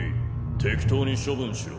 適当に処分しろ。